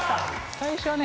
最初はね